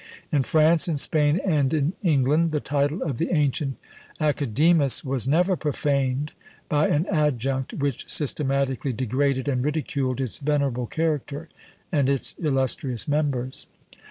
In France, in Spain, and in England, the title of the ancient Academus was never profaned by an adjunct which systematically degraded and ridiculed its venerable character and its illustrious members.